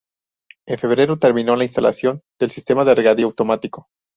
En febrero terminó la instalación del sistema de regadío automático.